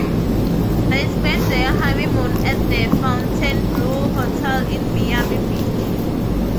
They spent their honeymoon at the Fontainebleau Hotel in Miami Beach.